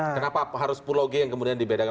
kenapa harus pulau g yang kemudian dibedakan